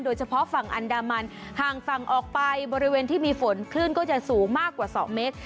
โดยเฉพาะฝั่งอันดามันห่างฝั่งออกไปบริเวณที่มีฝนคลื่นก็จะสูงมากกว่า๒เมตร